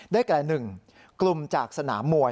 แก่๑กลุ่มจากสนามมวย